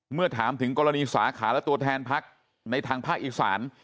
เมื่อถามถึงกรณีสาขาและตัวแทนพักในทางภาคอีสาน